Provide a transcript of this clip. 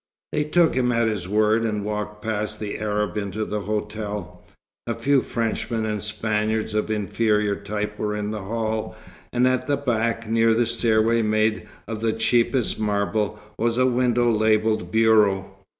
They took him at his word, and walked past the Arab into the hotel. A few Frenchmen and Spaniards of inferior type were in the hall, and at the back, near a stairway made of the cheapest marble, was a window labelled "Bureau."